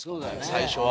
最初は。